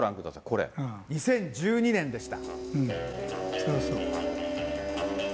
２０１２年でした。